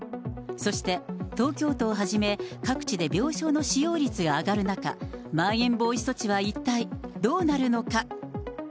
そして、東京都をはじめ、各地で病床の使用率が上がる中、まん延防止措置は一体どうなるのか。